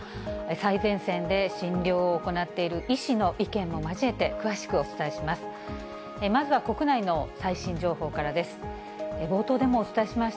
最前線で診療を行っている医師の意見も交えて詳しくお伝えします。